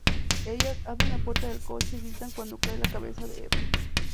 Ellas abren la puerta del coche y gritan cuando cae la cabeza de Eve.